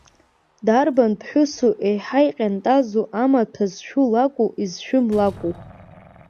Дарбан ԥҳәысу еиҳа иҟьантазу амаҭәа зшәу лакәу, изшәым лакәу?